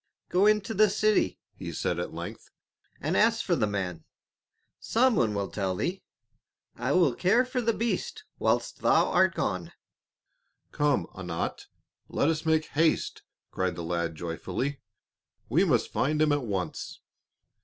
"Go into the city," he said at length, "and ask for the man, some one will tell thee; I will care for the beast whilst thou art gone." "Come, Anat, let us make haste," cried the lad joyfully. "We must find him at once."